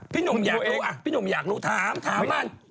พี่หนุ่มอยากรู้อ่ะพี่หนุ่มอยากรู้ถามถามมัน